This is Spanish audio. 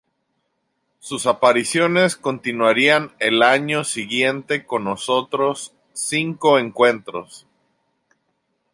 Sus apariciones continuarían al año siguiente con otros cinco encuentros.